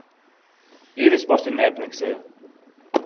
Είδες πώς την έπνιξε!